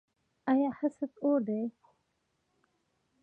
آیا حسد اور دی؟